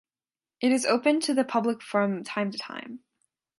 It is open to the public from time to time.